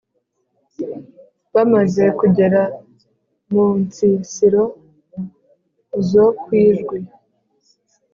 bamaze kugera munsisiro zo kwijwi